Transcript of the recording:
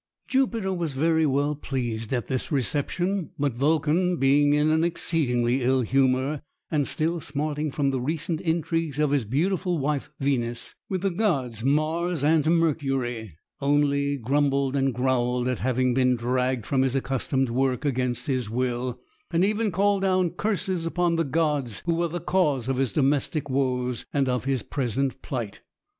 Jupiter was very well pleased at this reception; but Vulcan, being in an exceeding ill humour, and still smarting from the recent intrigues of his beautiful wife Venus with the gods Mars and Mercury, only grumbled and growled at having been dragged from his accustomed work against his will, and even called down curses upon the gods who were the cause of his domestic woes and of his present plight.